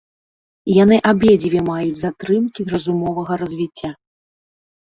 Яны абедзве маюць затрымкі разумовага развіцця.